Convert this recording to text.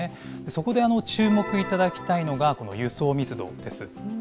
そこで注目いただきたいのが、この輸送密度です。